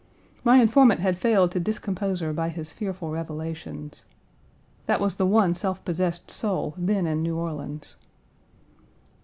My informant had failed to discompose her by his fearful rations. That was the one self possessed soul then in New Orleans.